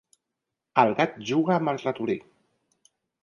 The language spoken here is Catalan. El gat juga amb el ratolí.